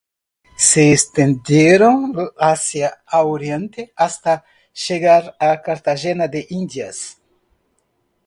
Se extendieron hacia al oriente, hasta llegar a Cartagena de Indias.